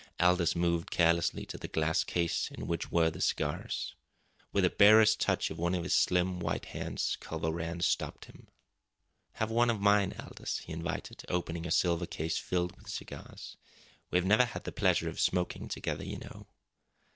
Aldous moved carelessly to the glass case in which were the cigars. With the barest touch of one of his slim white hands Culver Rann stopped him. "Have one of mine, Aldous," he invited, opening a silver case filled with cigars. "We've never had the pleasure of smoking together, you know."